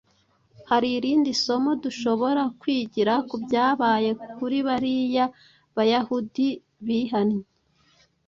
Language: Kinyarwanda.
Hari irindi somo dushobora kwigira ku byabaye kuri bariya Bayahudi bihanye.